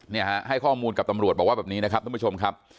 เนี่ยฮะให้ข้อมูลกับตำรวจบอกว่าแบบนี้นะครับท่านผู้ชมครับ